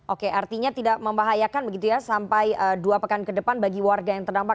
oke artinya tidak membahayakan begitu ya sampai dua pekan ke depan bagi warga yang terdampak